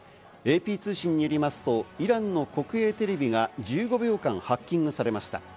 ＡＰ通信によりますと、イランの国営テレビが１５秒間ハッキングされました。